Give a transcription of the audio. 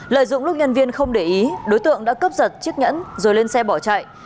lợi dụng lúc nhân viên không để ý đối tượng đã cướp giật chiếc nhẫn rồi lên xe bỏ chạy